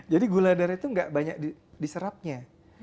jadi gula darah itu tidak banyak diserapnya